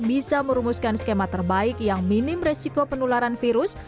bisa merumuskan skema terbaik yang minim resiko penularan virus